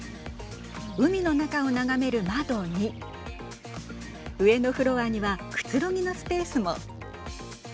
海の中を眺める窓に上のフロアにはくつろぎのスペースも。